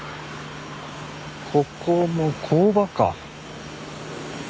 ここも工場か。